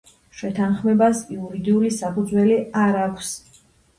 შეთანხმებას იურიდიული საფუძველი არ აქვს.